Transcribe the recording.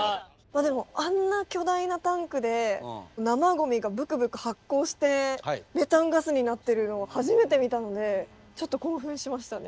でもあんな巨大なタンクで生ゴミがブクブク発酵してメタンガスになってるのを初めて見たのでちょっと興奮しましたね。